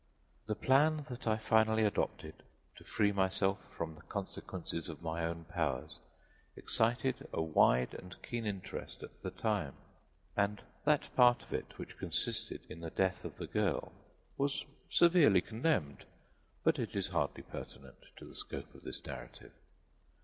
The plan that I finally adopted to free myself from the consequences of my own powers excited a wide and keen interest at the time, and that part of it which consisted in the death of the girl was severely condemned, but it is hardly pertinent to the scope of this narrative.